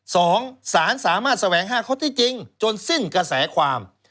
สารสามารถแสวงห้าข้อที่จริงจนสิ้นกระแสความ